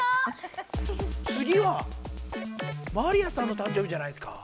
つぎはマリアさんの誕生日じゃないですか？